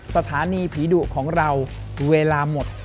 สถานีผีดุของเราเวลาหมด